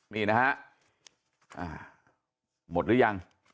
นี่นะฮะ